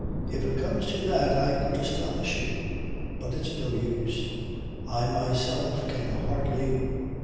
"If it comes to that I could astonish you. But it's no use. I myself can hardly